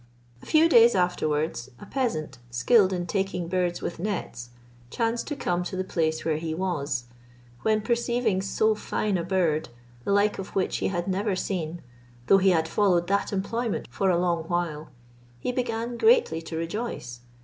A few days afterwards, a peasant, skilled in taking birds with nets, chanced to come to the place where he was; when perceiving so fine a bird, the like of which he had never seen, though he had followed that employment for a long while, he began greatly to rejoice.